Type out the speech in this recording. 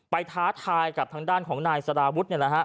ท้าทายกับทางด้านของนายสารวุฒิ